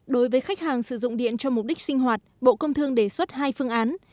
đối với khách hàng sử dụng điện cho mục đích sinh hoạt bộ công thương đề xuất hai phương án